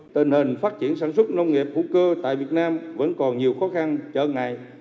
tình hình phát triển sản xuất nông nghiệp hữu cơ tại việt nam vẫn còn nhiều khó khăn chợ ngày